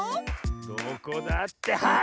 どこだってはい！